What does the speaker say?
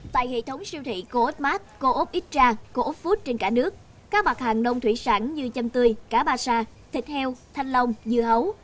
tại hệ thống siêu thị co op max co op xtra co op food trên cả nước các mặt hàng nông thủy sản như châm tươi cá ba sa thịt heo thanh long dưa hấu